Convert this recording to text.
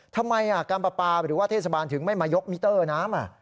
ทำไมอ่ะกัมปะปาหรือว่าเทศบาลถึงไม่มายกมิเตอร์น้ำอ่ะ